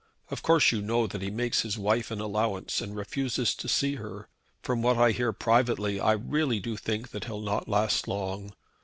Of course you know that he makes his wife an allowance, and refuses to see her. From what I hear privately I really do think that he'll not last long.